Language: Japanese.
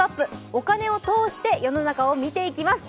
お金を通して世の中を見ていきます。